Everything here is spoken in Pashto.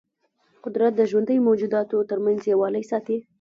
قدرت د ژوندیو موجوداتو ترمنځ یووالی ساتي.